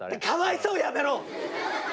「かわいそう」やめろ！